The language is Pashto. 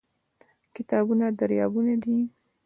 کتابونه دريابونه دي